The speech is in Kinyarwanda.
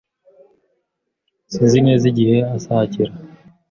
Sinzi neza igihe azagera.